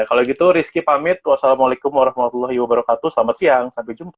kalau gitu rizky pamit wassalamualaikum warahmatullahi wabarakatuh selamat siang sampai jumpa